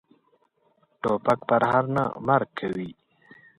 توپک پرهر نه، مرګ کوي.